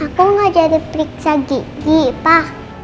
aku gak jadi periksa gigi pak